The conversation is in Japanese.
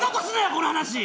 この話。